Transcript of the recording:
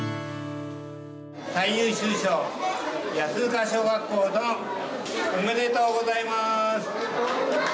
「最優秀賞安塚小学校殿」おめでとうございまーす。